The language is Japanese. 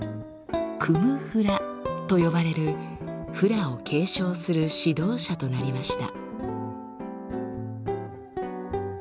「クム・フラ」と呼ばれるフラを継承する指導者となりました。